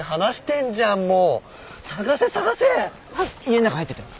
家ん中入ってったよ。